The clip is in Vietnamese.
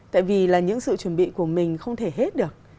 tại vì là những sự chuẩn bị của mình không thể hết được